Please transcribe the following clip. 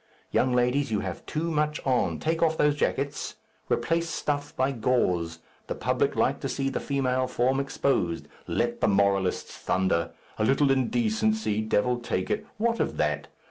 Young ladies, you have too much on. Take off those jackets. Replace stuff by gauze. The public like to see the female form exposed. Let the moralists thunder. A little indecency. Devil take it! what of that?